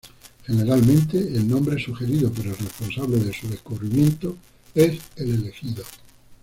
Generalmente, el nombre sugerido por el responsable de su descubrimiento es el elegido.